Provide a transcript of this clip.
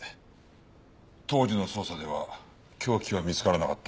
当時の捜査では凶器は見つからなかった。